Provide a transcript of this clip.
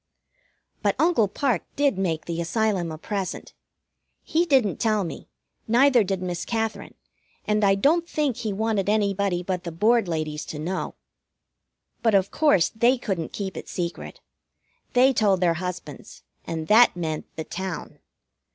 But Uncle Parke did make the Asylum a present. He didn't tell me, neither did Miss Katherine, and I don't think he wanted anybody but the Board ladies to know. But, of course, they couldn't keep it secret. They told their husbands, and that meant the town.